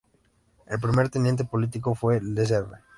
El primer Teniente político fue el Sr.